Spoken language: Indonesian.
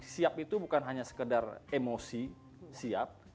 siap itu bukan hanya sekedar emosi siap